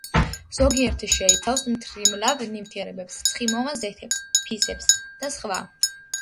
ზოგიერთი შეიცავს მთრიმლავ ნივთიერებებს, ცხიმოვან ზეთებს, ფისებს და სხვა.